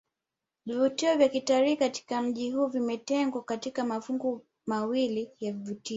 Vivutio vya kitalii katika mji huu vimetengwa katika mafungu mawili ya vivutio